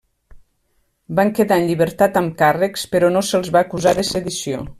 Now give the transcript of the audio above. Van quedar en llibertat amb càrrecs, però no se'ls va acusar de sedició.